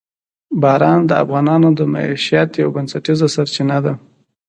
باران د افغانانو د معیشت یوه بنسټیزه سرچینه ده.